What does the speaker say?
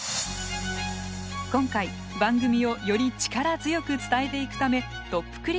今回番組をより力強く伝えていくためトップ